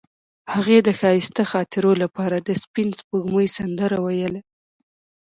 هغې د ښایسته خاطرو لپاره د سپین سپوږمۍ سندره ویله.